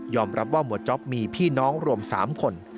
รับว่าหมวดจ๊อปมีพี่น้องรวม๓คน